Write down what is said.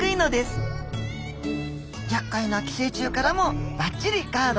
やっかいな寄生虫からもばっちりガード。